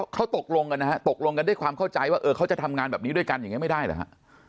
เขาตกลงกันนะฮะตกลงกันด้วยความเข้าใจว่าเออเขาจะทำงานแบบนี้ด้วยกันอย่างนี้ไม่ได้เหรอฮะ